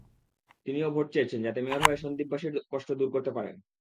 তিনিও ভোট চেয়েছেন, যাতে মেয়র হয়ে সন্দ্বীপবাসীর কষ্ট দূর করতে পারেন।